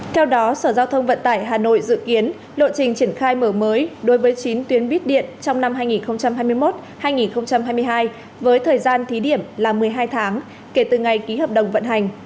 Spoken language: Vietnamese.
theo đó sở giao thông vận tải hà nội dự kiến lộ trình triển khai mở mới đối với chín tuyến buýt điện trong năm hai nghìn hai mươi một hai nghìn hai mươi hai với thời gian thí điểm là một mươi hai tháng kể từ ngày ký hợp đồng vận hành